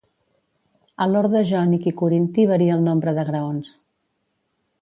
A l'orde jònic i corinti varia el nombre de graons.